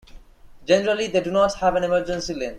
Generally, they do not have an emergency lane.